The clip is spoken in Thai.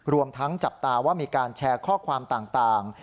รวมทั้งจับตาว่ามีการแชร์ข้อความต่าง